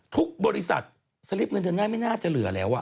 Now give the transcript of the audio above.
ทุกบริษัทสลิปเงินเดือนได้ไม่น่าจะเหลือแล้ว